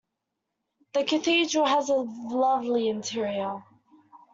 The Cathedral has a lovely interior.